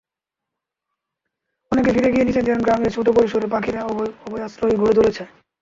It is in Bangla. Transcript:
অনেকে ফিরে গিয়ে নিজেদের গ্রামে ছোট পরিসরে পাখির অভয়াশ্রম গড়ে তুলেছে।